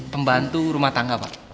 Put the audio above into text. pembantu rumah tangga pak